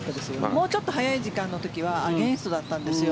もうちょっと早い時間帯の時はアゲンストだったんですよ。